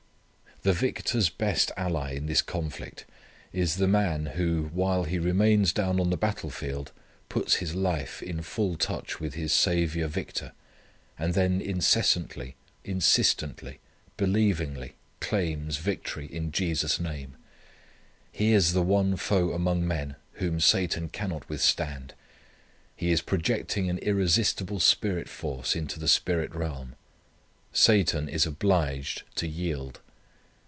The Victor's best ally in this conflict is the man, who while he remains down on the battle field, puts his life in full touch with his Saviour Victor, and then incessantly, insistently, believingly claims victory in Jesus' name. He is the one foe among men whom Satan cannot withstand. He is projecting an irresistible spirit force into the spirit realm. Satan is obliged to yield.